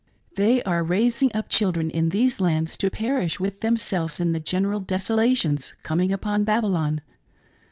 They are raising up children in these lands to perish with themselves in the general desolations com ing upon Babylon.